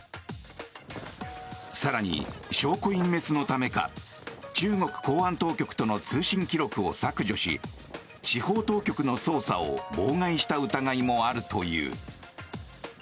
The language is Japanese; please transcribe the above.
更に証拠隠滅のためか中国公安当局との通信記録を削除し司法当局の捜査を妨害した疑いもあるという。